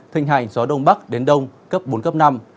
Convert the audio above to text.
thịnh hành gió đông bắc đến đông cấp bốn cấp năm